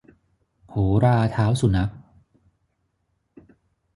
โหราเท้าสุนัข